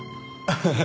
ハハハ。